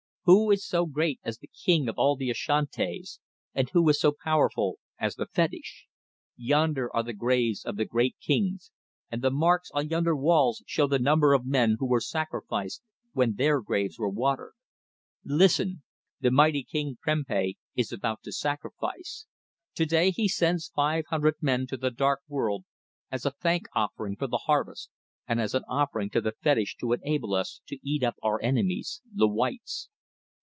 Who is so great as the King of all the Ashantis, and who is so powerful as the fetish? Yonder are the graves of the great kings, and the marks on yonder walls show the number of men who were sacrificed when their graves were watered. Listen! The mighty King Prempeh is about to sacrifice. To day he sends five hundred men to the dark world as a thank offering for the harvest, and as an offering to the fetish to enable us to eat up our enemies, the whites.